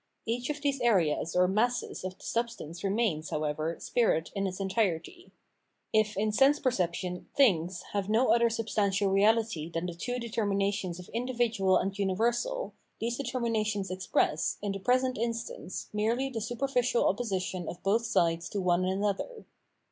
Each of these areas or masses of the substance remains, how ever, spirit in its entirety. If in sense perception things have no other substantial reahty than the two determinations of individual and universal, these determinations express, in the present instance, merely the superficial opposition of both sides to one an other.